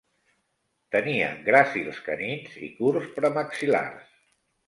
Tenia gràcils canins i curts premaxil·lars.